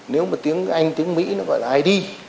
nếu mà tiếng anh tiếng mỹ nó gọi là id